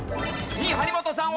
２位張本さん。